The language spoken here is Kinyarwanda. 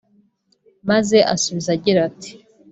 maze asubiza gira ati